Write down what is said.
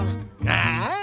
ああ？